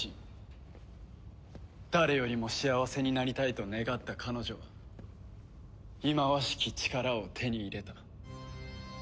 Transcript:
誰よりも幸せになりたいと願った彼女は忌まわしき力を手に入れた。